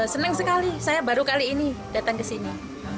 senang sekali saya baru kali ini datang ke sini